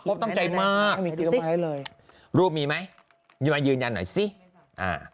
ตั้งใจมากเลยรูปมีไหมมายืนยันหน่อยสิอ่า